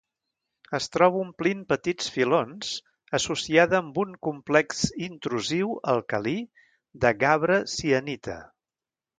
Es troba omplint petits filons; associada amb un complex intrusiu alcalí de gabre-sienita.